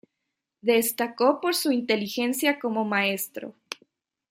Destacó por su inteligencia como maestro.